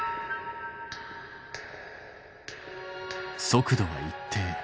速度は一定。